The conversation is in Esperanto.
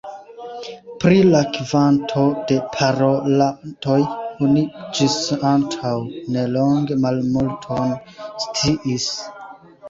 Pri la kvanto de parolantoj oni ĝis antaŭ nelonge malmulton sciis.